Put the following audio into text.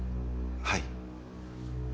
はい。